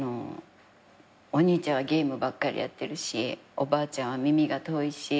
「お兄ちゃんはゲームばっかりやってるしおばあちゃんは耳が遠いし